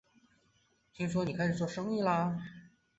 听说你开始做生意了